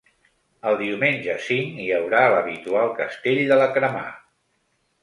El diumenge cinc hi haurà l’habitual castell de la cremà.